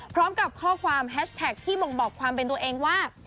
พร้อมกับข้อความแฮชแท็กที่บ่งบอกความเป็นตัวเองว่า